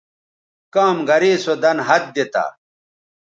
کام گرے سو دَن ہَت دی تا